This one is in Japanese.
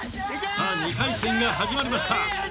２回戦が始まりました。